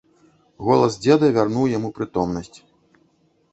Голас дзеда вярнуў яму прытомнасць.